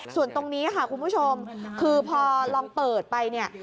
ส่วนตรงนี้ค่ะคุณผู้ชมคือพอลองเปิดไปเนี่ย